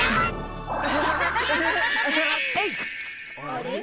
あれ？